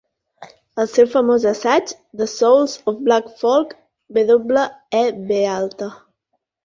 Al seu famós assaig "The Souls of Black Folk", W. E. B.